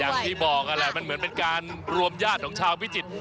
อย่างที่บอกนั่นแหละมันเหมือนเป็นการรวมญาติของชาวพิจิตร